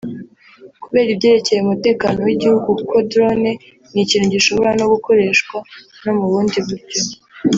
kubera ibyerekeye umutekano w’igihugu kuko drone ni ikintu gishobora no gukoreshwa no mu bundi buryo